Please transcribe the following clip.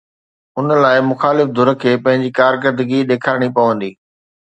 ان لاءِ مخالف ڌر کي پنهنجي ڪارڪردگي ڏيکارڻي پوندي.